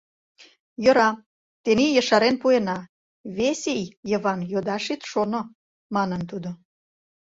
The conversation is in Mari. — Йӧра, тений ешарен пуэна, вес ий, Йыван, йодаш ит шоно! — манын тудо.